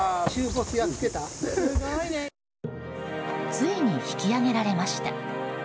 ついに引き揚げられました！